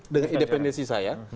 dengan independensi saya